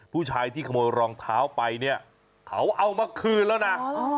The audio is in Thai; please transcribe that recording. ผู้ชายที่ขโมยรองเท้าไปเนี่ยเขาเอามาคืนแล้วนะ